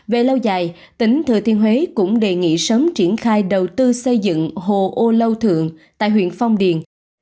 về lâu dài tỉnh thừa thiên huế cũng đề nghị sớm triển khai đầu tư xây dựng hồ âu lâu thượng tại huyện phong điền